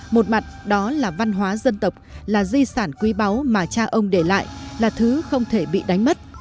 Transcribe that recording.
một mặt đó là văn hóa dân tộc là di sản quý báu mà cha ông để lại là thứ không thể bị đánh mất